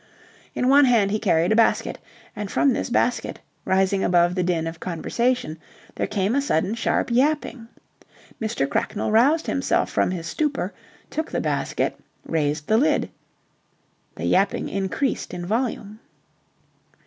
In one hand he carried a basket, and from this basket, rising above the din of conversation, there came a sudden sharp yapping. Mr. Cracknell roused himself from his stupor, took the basket, raised the lid. The yapping increased in volume.